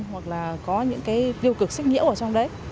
hoặc là có những cái tiêu cực xích nhiễu ở trong đấy